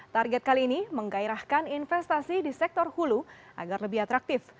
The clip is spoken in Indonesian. target kali ini menggairahkan investasi di sektor hulu agar lebih atraktif